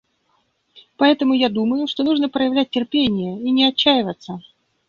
Поэтому я думаю, что нужно проявлять терпение и не отчаиваться.